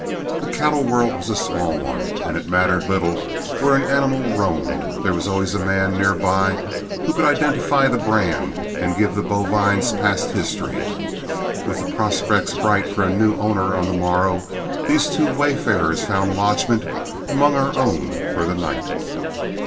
The cattle world was a small one, and it mattered little where an animal roamed, there was always a man near by who could identify the brand and give the bovine's past history. With the prospects bright for a new owner on the morrow, these two wayfarers found lodgment among our own for the night.